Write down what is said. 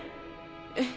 えっ？